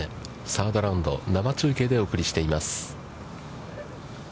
サードラウンド、生中継でお送りしています。